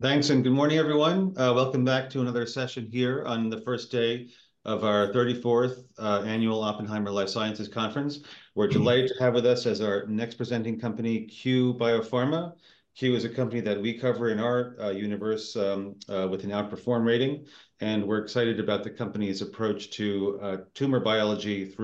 Thanks, and good morning, everyone. Welcome back to another session here on the first day of our 34th Annual Oppenheimer Life Sciences Conference. We're delighted to have with us as our next presenting company Cue Biopharma. Cue is a company that we cover in our universe, with an Outperform rating, and we're excited about the company's approach to tumor biology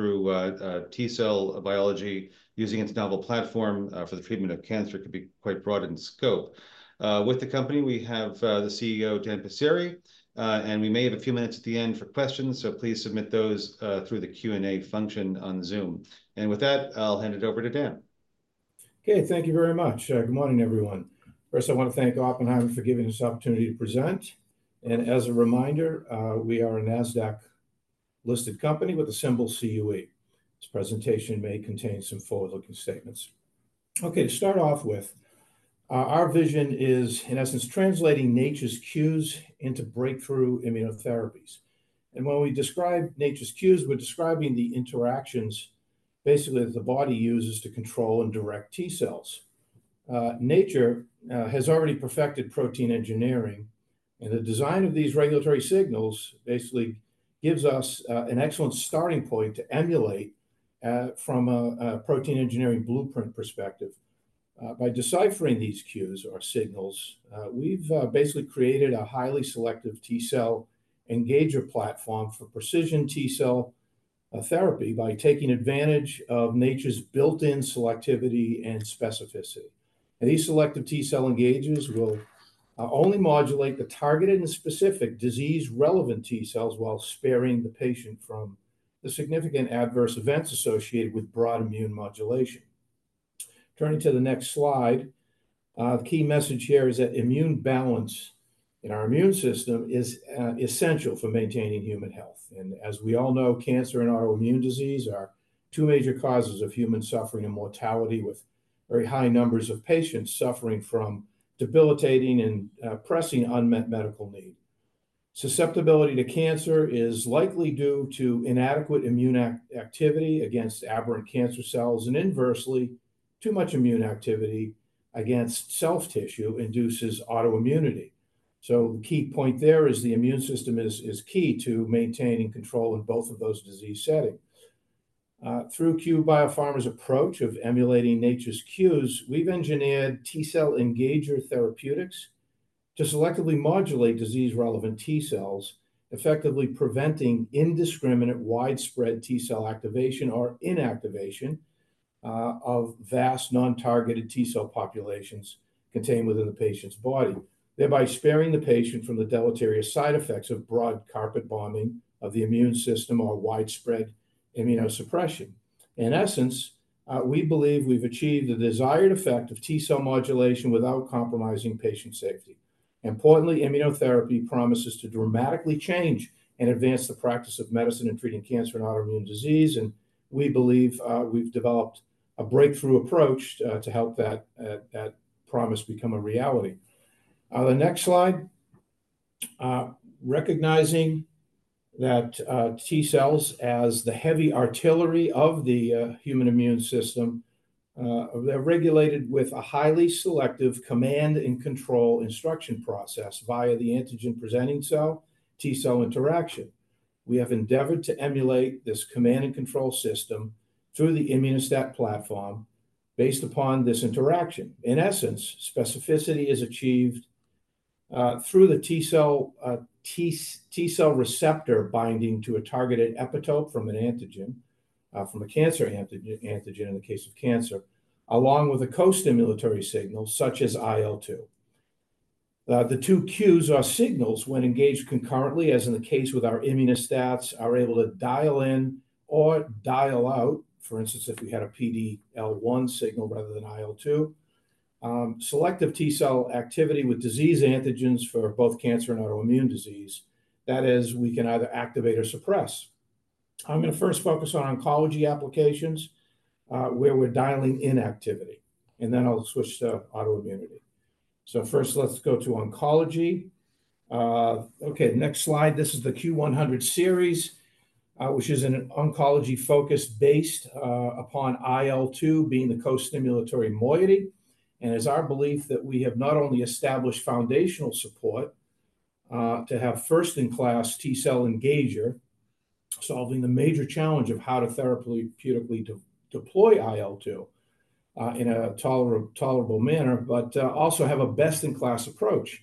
T-cell biology using its novel platform for the treatment of cancer could be quite broad in scope. With the company, we have the CEO, Dan Passeri, and we may have a few minutes at the end for questions, so please submit those through the Q&A function on Zoom. And with that, I'll hand it over to Dan. Okay, thank you very much. Good morning, everyone. First, I want to thank Oppenheimer for giving us the opportunity to present. And as a reminder, we are a NASDAQ-listed company with the symbol CUE. This presentation may contain some forward-looking statements. Okay, to start off with, our vision is, in essence, translating nature's cues into breakthrough immunotherapies. And when we describe nature's cues, we're describing the interactions. Basically, that the body uses to control and direct T-cells. Nature has already perfected protein engineering. And the design of these regulatory signals basically gives us an excellent starting point to emulate, from a protein engineering blueprint perspective. By deciphering these cues, our signals, we've basically created a highly T-cell engager platform for T-cell therapy by taking advantage of nature's built-in selectivity and specificity. These T-cell engagers will only modulate the targeted and specific disease-relevant T-cells while sparing the patient from the significant adverse events associated with broad immune modulation. Turning to the next slide. The key message here is that immune balance in our immune system is essential for maintaining human health. As we all know, cancer and autoimmune disease are two major causes of human suffering and mortality, with very high numbers of patients suffering from debilitating and pressing unmet medical need. Susceptibility to cancer is likely due to inadequate immune activity against aberrant cancer cells, and inversely, too much immune activity against self-tissue induces autoimmunity. The key point there is the immune system is key to maintaining control in both of those disease settings. Through Cue Biopharma's approach of emulating nature's cues, we've T-cell engager therapeutics. To selectively modulate disease-relevant T-cells, effectively preventing indiscriminate widespread T-cell activation or inactivation of vast non-targeted T-cell populations contained within the patient's body, thereby sparing the patient from the deleterious side effects of broad carpet bombing of the immune system or widespread immunosuppression. In essence, we believe we've achieved the desired effect of T-cell modulation without compromising patient safety. Importantly, immunotherapy promises to dramatically change and advance the practice of medicine in treating cancer and autoimmune disease, and we believe we've developed a breakthrough approach to help that, that promise become a reality. The next slide. Recognizing that T-cells as the heavy artillery of the human immune system. They're regulated with a highly selective command and control instruction process via the antigen-presenting cell T-cell interaction. We have endeavored to emulate this command and control system through the Immuno-STAT platform. Based upon this interaction, in essence, specificity is achieved through the T-cell, T-cell receptor binding to a targeted epitope from an antigen from a cancer antigen, antigen in the case of cancer, along with a co-stimulatory signal such as IL-2. The 2 cues are signals when engaged concurrently, as in the case with our Immuno-STATs, are able to dial in or dial out. For instance, if we had a PD-L1 signal rather than IL-2, selective T-cell activity with disease antigens for both cancer and autoimmune disease. That is, we can either activate or suppress. I'm gonna first focus on oncology applications where we're dialing inactivity. Then I'll switch to autoimmunity. First, let's go to oncology. Okay, next slide. This is the CUE-100 series which is an oncology focus based upon IL-2 being the co-stimulatory moiety. It's our belief that we have not only established foundational support to have T-cell engager, solving the major challenge of how to therapeutically deploy IL-2 in a tolerable manner, but also have a best-in-class approach.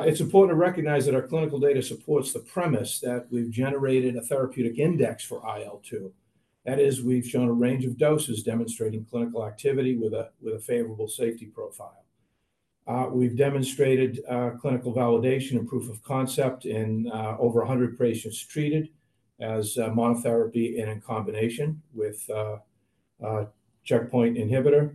It's important to recognize that our clinical data supports the premise that we've generated a therapeutic index for IL-2. That is, we've shown a range of doses demonstrating clinical activity with a favorable safety profile. We've demonstrated clinical validation and proof of concept in over 100 patients treated as monotherapy and in combination with checkpoint inhibitor.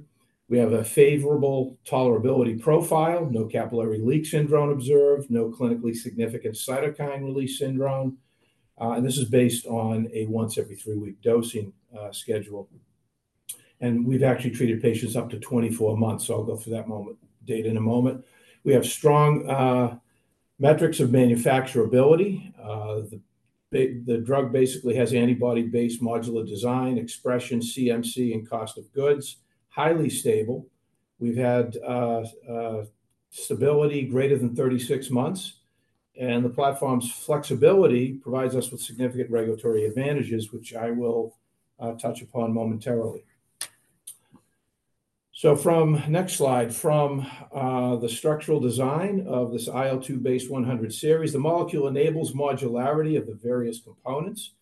We have a favorable tolerability profile, no capillary leak syndrome observed, no clinically significant cytokine release syndrome, and this is based on a once-every-three-week dosing schedule. And we've actually treated patients up to 24 months, so I'll go to that in a moment. We have strong metrics of manufacturability. The drug basically has antibody-based modular design expression, CMC, and cost of goods, highly stable. We've had stability greater than 36 months. And the platform's flexibility provides us with significant regulatory advantages, which I will touch upon momentarily. So from next slide, from the structural design of this IL-2 based 100 series, the molecule enables modularity of the various components.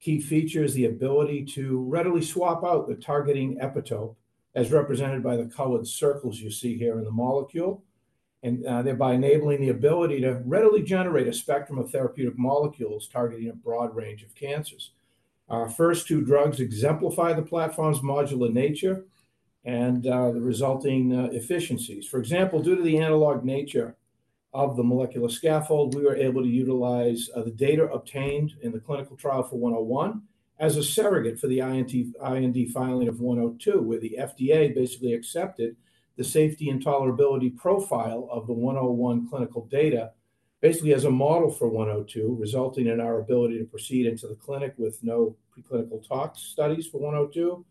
Key features the ability to readily swap out the targeting epitope, as represented by the colored circles you see here in the molecule. And thereby enabling the ability to readily generate a spectrum of therapeutic molecules targeting a broad range of cancers. Our 1st two drugs exemplify the platform's modular nature. And the resulting efficiencies. For example, due to the analog nature. Of the molecular scaffold, we were able to utilize the data obtained in the clinical trial for 101 as a surrogate for the IND filing of 102, where the FDA basically accepted the safety and tolerability profile of the 101 clinical data. Basically as a model for 102, resulting in our ability to proceed into the clinic with no preclinical tox studies for 102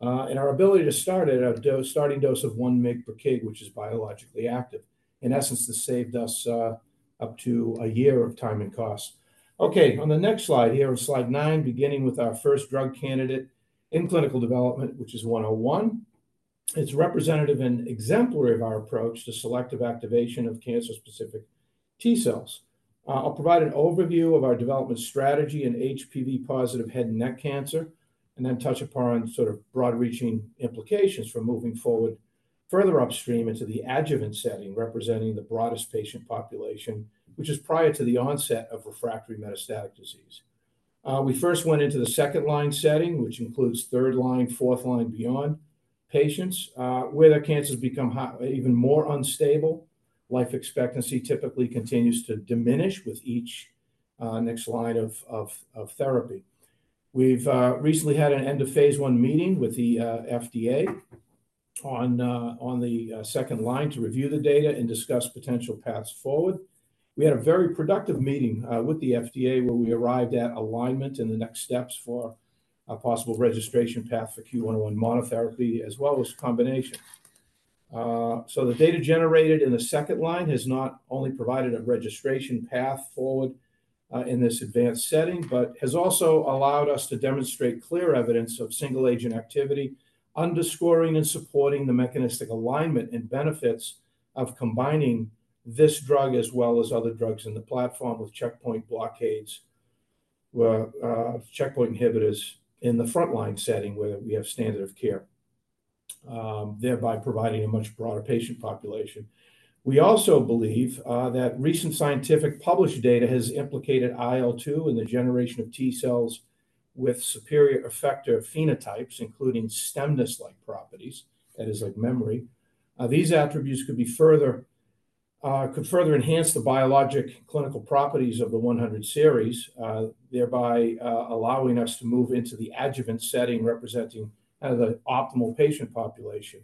and our ability to start at a starting dose of 1 mcg per kg, which is biologically active. In essence, this saved us up to a year of time and cost. Okay, on the next slide here, on slide nine, beginning with our 1st drug candidate in clinical development, which is 101. It's representative and exemplary of our approach to selective activation of cancer-specific T-cells. I'll provide an overview of our development strategy in HPV positive head and neck cancer. And then touch upon sort of broad reaching implications for moving forward. Further upstream into the adjuvant setting, representing the broadest patient population, which is prior to the onset of refractory metastatic disease. We first went into the second line setting, which includes third line, fourth line, beyond. Patients, where their cancers become hot even more unstable. Life expectancy typically continues to diminish with each next line of therapy. We've recently had an end of phase I meeting with the FDA. On the second line to review the data and discuss potential paths forward. We had a very productive meeting with the FDA, where we arrived at alignment in the next steps for a possible registration path for CUE-101 monotherapy, as well as combination. So the data generated in the second line has not only provided a registration path forward. In this advanced setting, but has also allowed us to demonstrate clear evidence of single agent activity, underscoring and supporting the mechanistic alignment and benefits of combining this drug, as well as other drugs in the platform with checkpoint blockades. Where checkpoint inhibitors in the front line setting, where we have standard of care, thereby providing a much broader patient population. We also believe that recent scientific published data has implicated IL-2 in the generation of T-cells with superior effector phenotypes, including stemness-like properties, that is, like memory. These attributes could further enhance the biologic clinical properties of the 100 series, thereby allowing us to move into the adjuvant setting, representing kind of the optimal patient population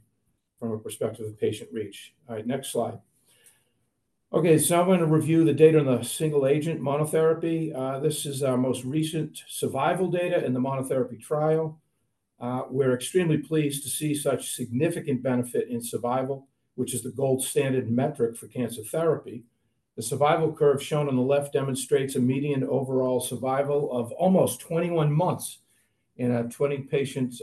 from a perspective of patient reach. Alright, next slide. Okay, so I'm gonna review the data on the single agent monotherapy. This is our most recent survival data in the monotherapy trial. We're extremely pleased to see such significant benefit in survival, which is the gold standard metric for cancer therapy. The survival curve shown on the left demonstrates a median overall survival of almost 21 months in 20 patients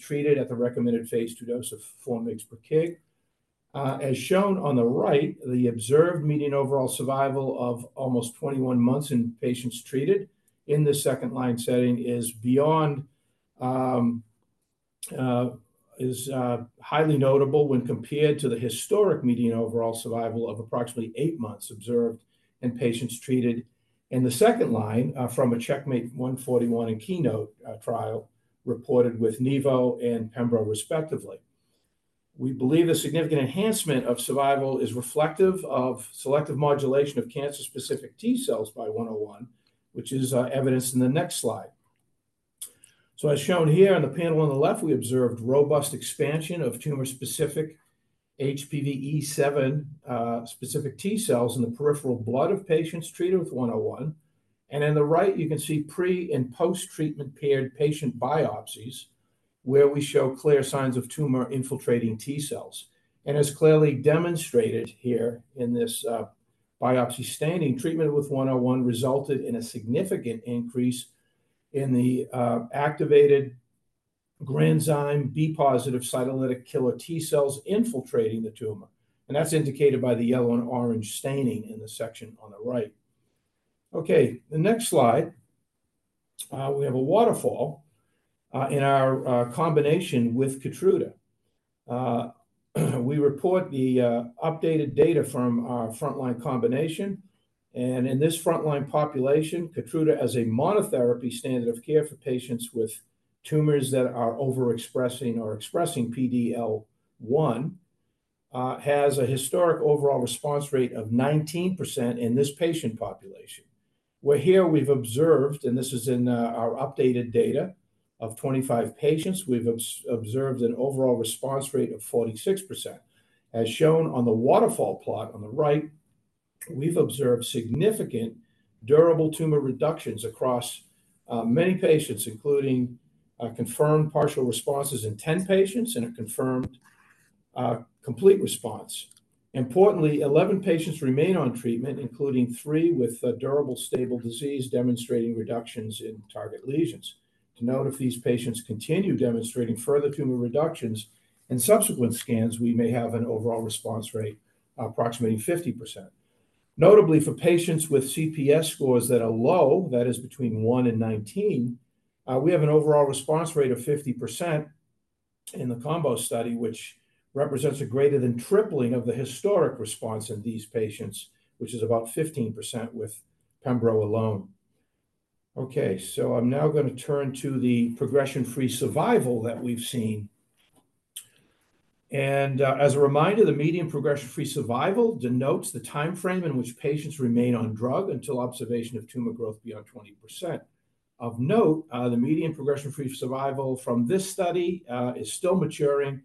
treated at the recommended phase II dose of 4 mg/kg. As shown on the right, the observed median overall survival of almost 21 months in patients treated in the second line setting is beyond is highly notable when compared to the historic median overall survival of approximately eight months observed in patients treated in the second line from a CheckMate 141 and KEYNOTE trial reported with nivo and pembro, respectively. We believe a significant enhancement of survival is reflective of selective modulation of cancer-specific T-cells by 101. Which is evidenced in the next slide. So, as shown here in the panel on the left, we observed robust expansion of tumor-specific HPV E7 specific T-cells in the peripheral blood of patients treated with 101. And in the right, you can see pre- and post-treatment paired patient biopsies. Where we show clear signs of tumor-infiltrating T-cells. And as clearly demonstrated here in this biopsy staining, treatment with 101 resulted in a significant increase in the activated Granzyme B-positive cytolytic killer T-cells infiltrating the tumor. And that's indicated by the yellow and orange staining in the section on the right. Okay, the next slide. We have a waterfall in our combination with Keytruda. We report the updated data from our front-line combination. And in this front-line population, Keytruda as a monotherapy standard of care for patients with. Tumors that are overexpressing or expressing PD-L1 has a historic overall response rate of 19% in this patient population. Where here we've observed, and this is in our updated data, of 25 patients, we've observed an overall response rate of 46%. As shown on the waterfall plot on the right, we've observed significant durable tumor reductions across many patients, including confirmed partial responses in 10 patients and a confirmed complete response. Importantly, 11 patients remain on treatment, including three with durable stable disease demonstrating reductions in target lesions. To note if these patients continue demonstrating further tumor reductions in subsequent scans, we may have an overall response rate approximating 50%. Notably for patients with CPS scores that are low, that is between one and 19, we have an overall response rate of 50%. In the combo study, which represents a greater than tripling of the historic response in these patients, which is about 15% with Pembro alone. Okay, so I'm now gonna turn to the progression-free survival that we've seen. And, as a reminder, the median progression-free survival denotes the timeframe in which patients remain on drug until observation of tumor growth beyond 20%. Of note, the median progression-free survival from this study is still maturing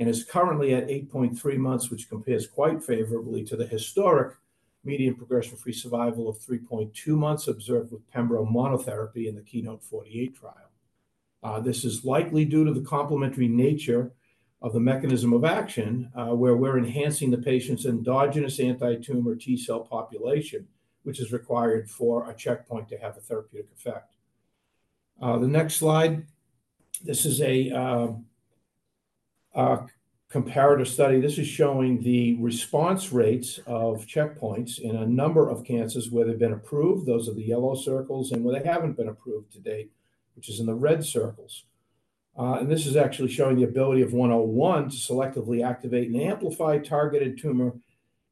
and is currently at 8.3 months, which compares quite favorably to the historic median progression-free survival of 3.2 months observed with Pembro monotherapy in the KEYNOTE-048 trial. This is likely due to the complementary nature of the mechanism of action, where we're enhancing the patient's endogenous anti-tumor T-cell population, which is required for a checkpoint to have a therapeutic effect. The next slide. This is a comparative study. This is showing the response rates of checkpoints in a number of cancers where they've been approved. Those are the yellow circles and where they haven't been approved to date, which is in the red circles. And this is actually showing the ability of 101 to selectively activate and amplify targeted tumor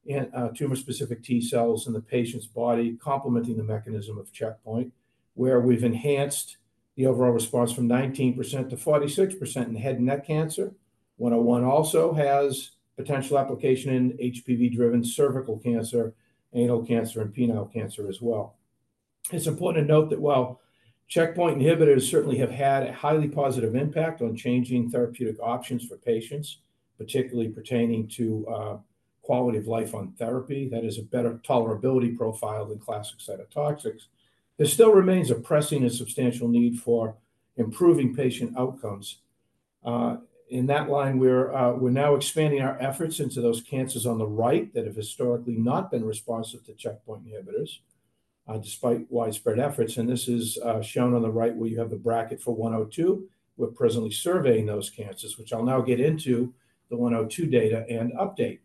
and tumor-specific T-cells in the patient's body, complementing the mechanism of checkpoint where we've enhanced the overall response from 19% to 46% in head and neck cancer. 101 also has potential application in HPV driven cervical cancer, anal cancer and penile cancer as well. It's important to note that, well, checkpoint inhibitors certainly have had a highly positive impact on changing therapeutic options for patients, particularly pertaining to quality of life on therapy. That is a better tolerability profile than classic cytotoxics. There still remains a pressing and substantial need for improving patient outcomes. In that line, we're, we're now expanding our efforts into those cancers on the right that have historically not been responsive to checkpoint inhibitors. Despite widespread efforts, and this is shown on the right where you have the bracket for 102. We're presently surveying those cancers, which I'll now get into. The 102 data and update.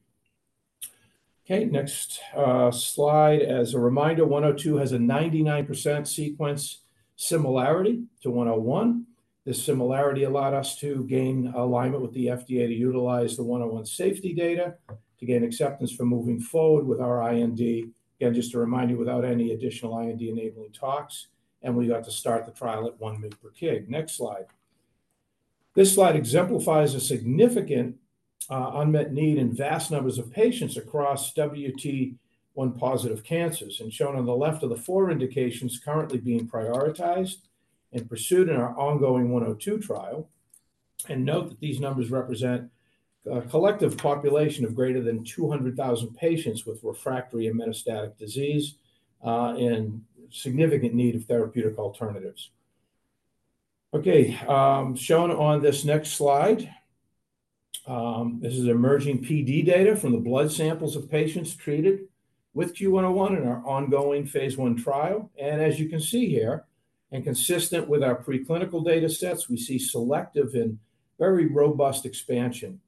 Okay, next, slide. As a reminder, 102 has a 99% sequence similarity to 101. This similarity allowed us to gain alignment with the FDA to utilize the 101 safety data. To gain acceptance for moving forward with our IND. Again, just to remind you, without any additional IND enabling talks. We got to start the trial at 1 mg per kg. Next slide. This slide exemplifies a significant unmet need in vast numbers of patients across WT1 positive cancers and shown on the left of the four indications currently being prioritized. And pursued in our ongoing 102 trial. Note that these numbers represent a collective population of greater than 200,000 patients with refractory and metastatic disease and significant need of therapeutic alternatives. Okay, shown on this next slide, this is emerging PD data from the blood samples of patients treated with CUE-101 in our ongoing phase I trial, and as you can see here. And consistent with our preclinical data sets, we see selective and very robust expansion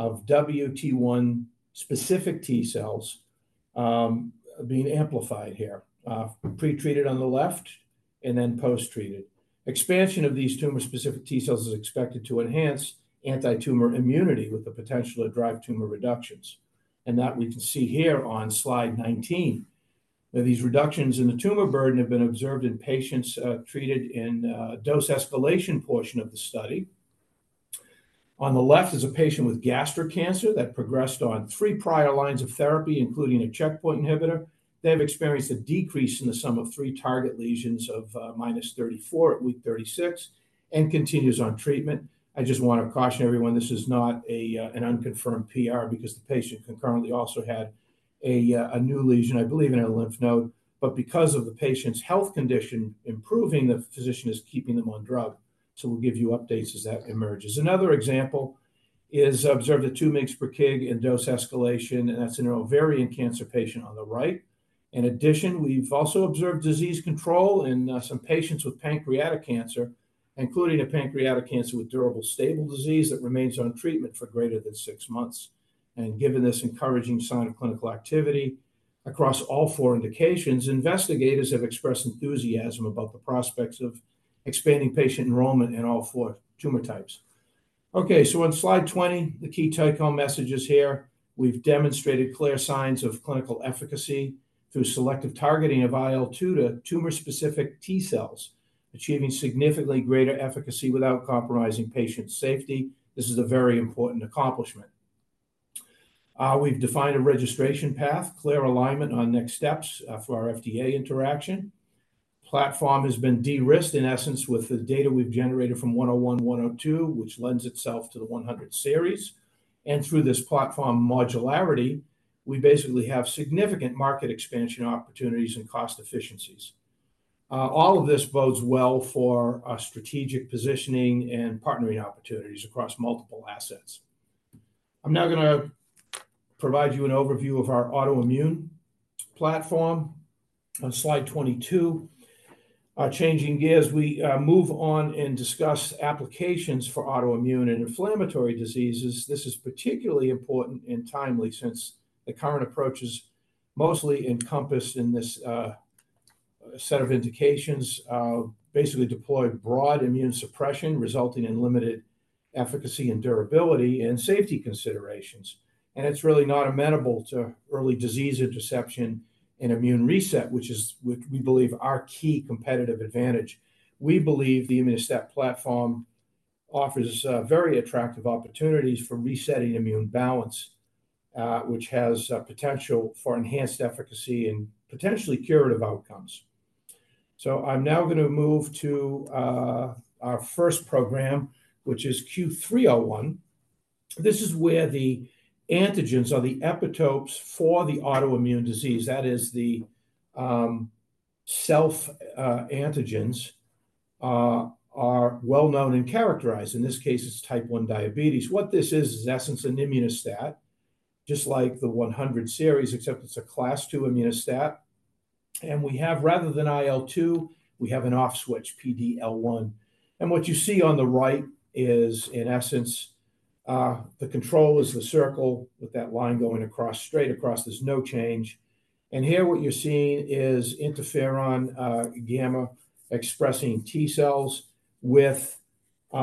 of WT1-specific T-cells being amplified here, pretreated on the left and then post-treated. Expansion of these tumor-specific T-cells is expected to enhance anti-tumor immunity with the potential to drive tumor reductions. And that we can see here on slide 19, where these reductions in the tumor burden have been observed in patients treated in dose escalation portion of the study. On the left is a patient with gastric cancer that progressed on three prior lines of therapy, including a checkpoint inhibitor. They have experienced a decrease in the sum of three target lesions of -34 at week 36 and continues on treatment. I just want to caution everyone, this is not an unconfirmed PR because the patient concurrently also had a new lesion, I believe, in her lymph node. But because of the patient's health condition improving, the physician is keeping them on drug. So we'll give you updates as that emerges. Another example is observed at 2 mcg per kg in dose escalation, and that's in an ovarian cancer patient on the right. In addition, we've also observed disease control in some patients with pancreatic cancer, including a pancreatic cancer with durable stable disease that remains on treatment for greater than 6 months. Given this encouraging sign of clinical activity across all four indications, investigators have expressed enthusiasm about the prospects of expanding patient enrollment in all four tumor types. Okay, so on slide 20, the key take home messages here. We've demonstrated clear signs of clinical efficacy through selective targeting of IL-2 to tumor-specific T-cells, achieving significantly greater efficacy without compromising patient safety. This is a very important accomplishment. We've defined a registration path, clear alignment on next steps, for our FDA interaction. Platform has been de-risked, in essence, with the data we've generated from 101, 102, which lends itself to the 100 series. And through this platform modularity, we basically have significant market expansion opportunities and cost efficiencies. All of this bodes well for strategic positioning and partnering opportunities across multiple assets. I'm now gonna provide you an overview of our autoimmune platform on slide 22. Changing gears, we move on and discuss applications for autoimmune and inflammatory diseases. This is particularly important and timely since the current approaches mostly encompassed in this set of indications basically deploy broad immune suppression, resulting in limited efficacy and durability and safety considerations. And it's really not amenable to early disease interception and immune reset, which we believe our key competitive advantage. We believe the Immuno-STAT platform offers very attractive opportunities for resetting immune balance which has potential for enhanced efficacy and potentially curative outcomes. So I'm now gonna move to our first program, which is CUE-301. This is where the antigens are the epitopes for the autoimmune disease. That is the self antigens are well known and characterized. In this case, it's type 1 diabetes. What this is in essence an Immuno-STAT just like the 100 series, except it's a class 2 Immuno-STAT. We have, rather than IL-2, we have an off switch PD-L1. What you see on the right is, in essence, the control is the circle with that line going across straight across, there's no change. Here what you're seeing is interferon gamma expressing T-cells with the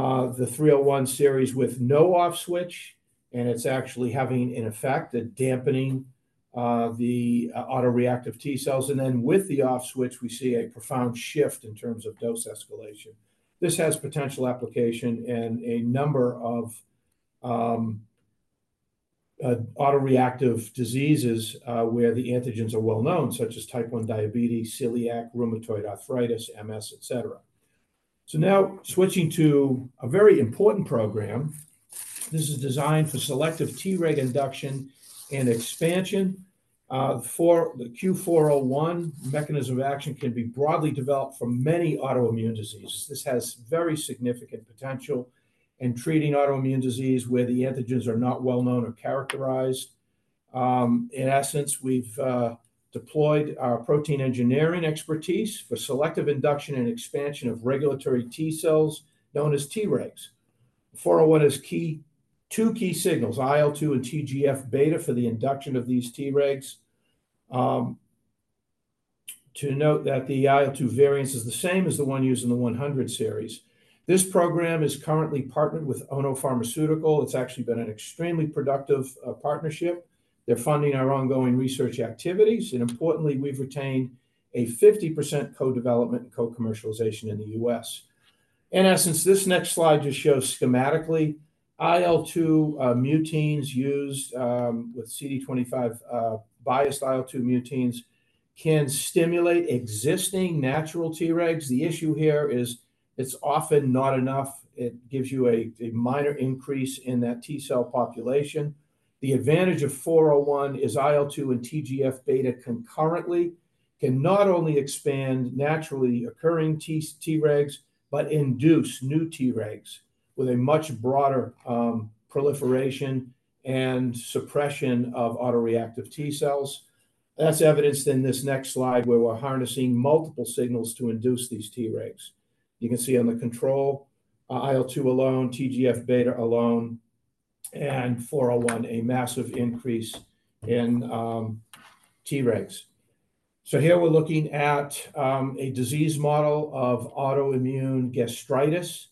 CUE-301 series with no off switch. And it's actually having an effect that dampening the autoreactive T-cells, and then with the off switch, we see a profound shift in terms of dose escalation. This has potential application in a number of autoreactive diseases, where the antigens are well known, such as type 1 diabetes, celiac, rheumatoid arthritis, MS, etc. So now switching to a very important program. This is designed for selective Treg induction and expansion for the CUE-401 mechanism of action can be broadly developed for many autoimmune diseases. This has very significant potential. Treating autoimmune disease where the antigens are not well known or characterized. In essence, we've deployed our protein engineering expertise for selective induction and expansion of regulatory T-cells known as Tregs. 401 is key to two key signals, IL-2 and TGF-beta for the induction of these T regs. To note that the IL-2 variant is the same as the one used in the 100 series. This program is currently partnered with Ono Pharmaceutical. It's actually been an extremely productive partnership. They're funding our ongoing research activities, and importantly, we've retained a 50% co-development and co-commercialization in the U.S. In essence, this next slide just shows schematically IL-2 muteins used with CD25, biased IL-2 muteins. Can stimulate existing natural Tregs. The issue here is it's often not enough. It gives you a minor increase in that T-cell population. The advantage of 401 is IL-2 and TGF-beta concurrently. It can not only expand naturally occurring Tregs, but induce new Tregs with a much broader proliferation and suppression of autoreactive T-cells. That's evidenced in this next slide where we're harnessing multiple signals to induce these Tregs. You can see on the control, IL-2 alone, TGF-beta alone, and 401, a massive increase in Tregs. So here we're looking at a disease model of autoimmune gastritis.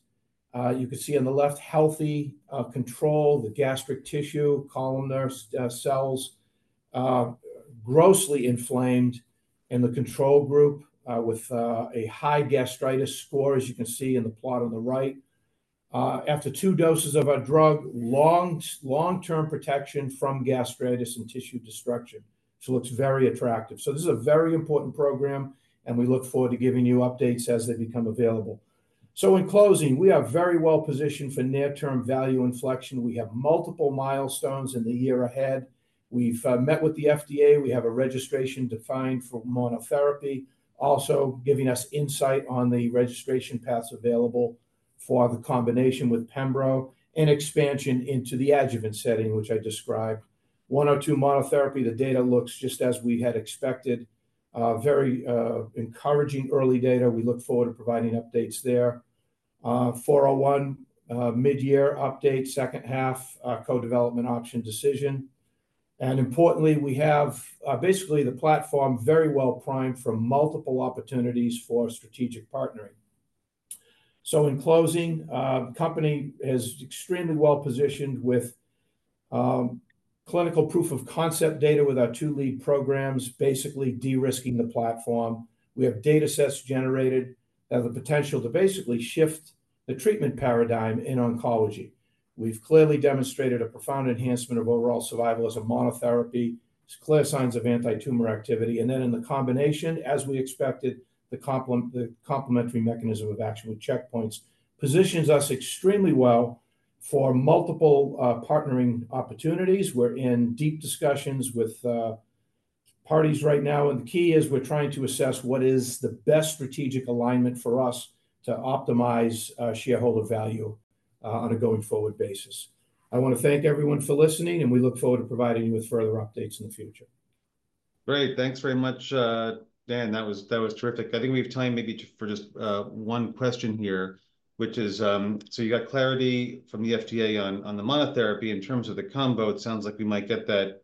You can see on the left healthy control, the gastric tissue columnar cells grossly inflamed in the control group with a high gastritis score, as you can see in the plot on the right. After two doses of our drug, long-term protection from gastritis and tissue destruction. So it looks very attractive. So this is a very important program, and we look forward to giving you updates as they become available. So in closing, we are very well positioned for near-term value inflection. We have multiple milestones in the year ahead. We've met with the FDA. We have a registration defined for monotherapy. Also giving us insight on the registration paths available. For the combination with Pembro and expansion into the adjuvant setting, which I described. 102 monotherapy, the data looks just as we had expected. Very encouraging early data. We look forward to providing updates there. 401, mid-year update, second half, co-development option decision. And importantly, we have basically the platform very well primed for multiple opportunities for strategic partnering. So in closing, the company is extremely well positioned with clinical proof of concept data with our two lead programs, basically de-risking the platform. We have data sets generated. That have the potential to basically shift the treatment paradigm in oncology. We've clearly demonstrated a profound enhancement of overall survival as a monotherapy. It's clear signs of anti-tumor activity, and then in the combination, as we expected, the complementary mechanism of action with checkpoints positions us extremely well for multiple partnering opportunities. We're in deep discussions with parties right now, and the key is we're trying to assess what is the best strategic alignment for us to optimize shareholder value on a going forward basis. I want to thank everyone for listening, and we look forward to providing you with further updates in the future. Great, thanks very much, Dan. That was terrific. I think we have time maybe for just one question here. Which is, so you got clarity from the FDA on the monotherapy in terms of the combo. It sounds like we might get that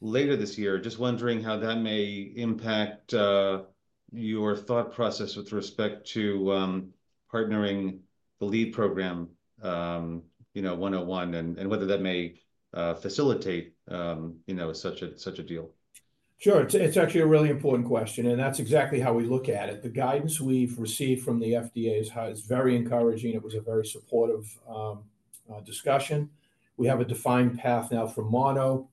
later this year, just wondering how that may impact your thought process with respect to partnering the lead program, you know, 101 and whether that may facilitate, you know, such a deal. Sure, it's actually a really important question, and that's exactly how we look at it. The guidance we've received from the FDA is how it's very encouraging. It was a very supportive discussion. We have a defined path now from monotherapy.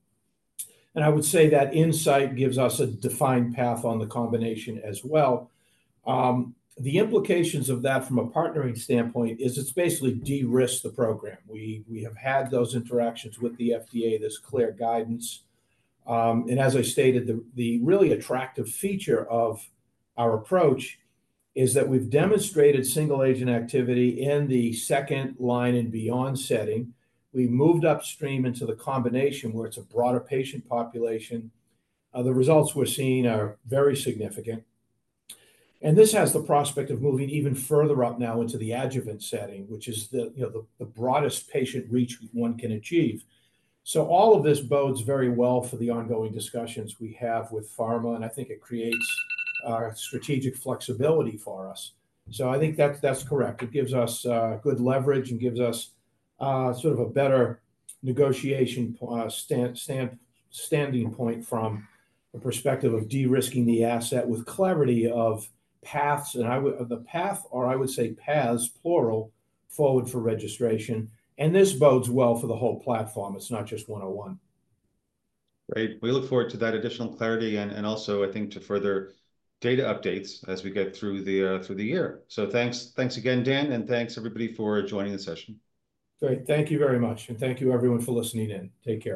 And I would say that insight gives us a defined path on the combination as well. The implications of that from a partnering standpoint is it's basically de-risk the program. We have had those interactions with the FDA, this clear guidance, and as I stated, the really attractive feature of our approach. It's that we've demonstrated single agent activity in the second line and beyond setting. We moved upstream into the combination where it's a broader patient population. The results we're seeing are very significant. And this has the prospect of moving even further up now into the adjuvant setting, which is the, you know, the broadest patient reach one can achieve. So all of this bodes very well for the ongoing discussions we have with pharma, and I think it creates our strategic flexibility for us. So I think that's correct. It gives us good leverage and gives us sort of a better negotiation standing point from a perspective of de-risking the asset with clarity of paths, and I would the path, or I would say paths, plural forward for registration, and this bodes well for the whole platform. It's not just 101. Great, we look forward to that additional clarity and also I think to further data updates as we get through the year. So thanks. Thanks again, Dan, and thanks everybody for joining the session. Great, thank you very much, and thank you everyone for listening in. Take care.